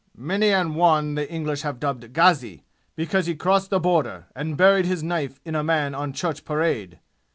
Many an one the English have dubbed Ghazi, because he crossed the border and buried his knife in a man on church parade!